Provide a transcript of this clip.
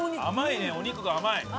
甘いねお肉が甘い。